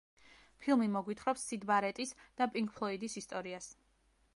ფილმი მოგვითხრობს სიდ ბარეტის და პინკ ფლოიდის ისტორიას.